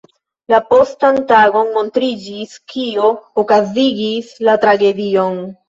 La postan tagon montriĝis, kio okazigis la tragedion.